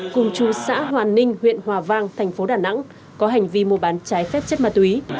cùng chú xã hòa ninh huyện hòa vang thành phố đà nẵng có hành vi mua bán trái phép chất ma túy